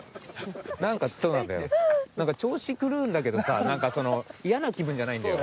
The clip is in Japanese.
なんか調子狂うんだけどさなんか嫌な気分じゃないんだよ。